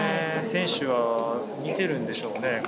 選手は見てるんでしょうね。